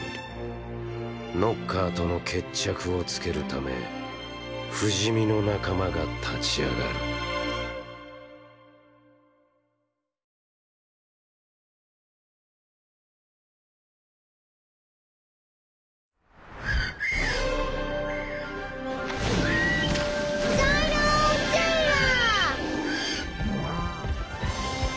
ノッカーとの決着をつけるため不死身の仲間が立ち上がるデイナの恐竜図鑑。